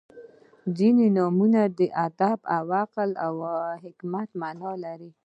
• ځینې نومونه د ادب، عقل او حکمت معنا لري.